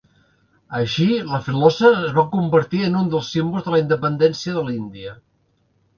Així la filosa es va convertir en un dels símbols de la independència de l'Índia.